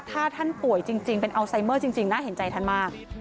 ถ้าท่านป่วยจริงเป็นอัลไซเมอร์จริงน่าเห็นใจท่านมาก